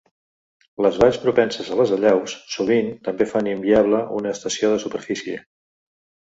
Les valls propenses a les allaus sovint també fan inviable una estació de superfície.